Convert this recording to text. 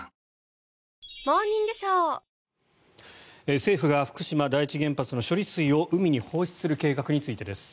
政府が福島第一原発の処理水を海に放出する計画についてです。